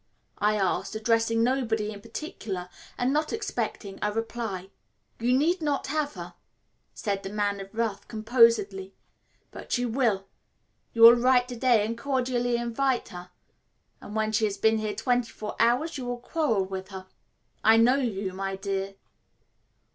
I asked, addressing nobody in particular and not expecting a reply. "You need not have her," said the Man of Wrath composedly, "but you will. You will write to day and cordially invite her, and when she has been here twenty four hours you will quarrel with her. I know you, my dear."